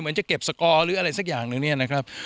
จะเก็บสกอร์หรืออะไรสักอย่างหนึ่งเนี่ยนะครับ